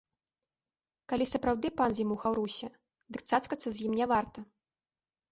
Калі сапраўды пан з ім у хаўрусе, дык цацкацца з ім не варта.